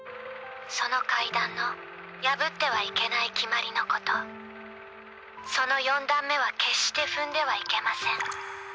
その階段の破ってはいけない決まりのことその４段目は決して踏んではいけません